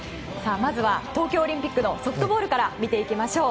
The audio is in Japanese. まずは東京オリンピックのソフトボールから見ていきましょう。